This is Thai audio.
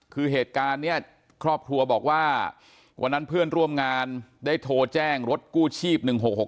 คือเหตุการณ์นี้ครอบครัวบอกว่าวันนั้นเพื่อนร่วมงานได้โทรแจ้งรถกู้ชีพ๑๖๖